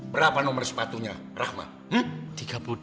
berapa nomor sepatunya rahma